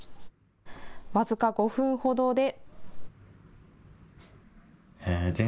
僅か５分ほどで。